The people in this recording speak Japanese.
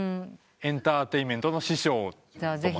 エンターテインメントの師匠と。